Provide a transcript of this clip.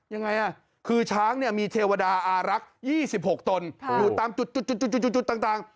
ยังไงอ่ะคือช้างเนี้ยมีเทวดาอารักษ์ยี่สิบหกตนค่ะดูตามจุดจุดจุดจุดจุดจุดต่างต่าง